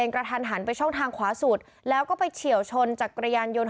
กระทันหันไปช่องทางขวาสุดแล้วก็ไปเฉียวชนจักรยานยนต์